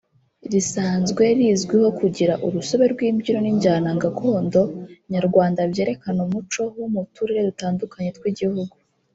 risanzwe rizwiho kugira urusobe rw’imbyino n’injyana gakondo Nyarwanda byerekana umuco wo mu turere dutandukanye tw igihugu